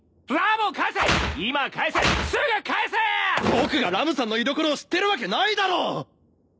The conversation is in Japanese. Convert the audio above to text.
僕がラムさんの居所を知ってるわけないだろ！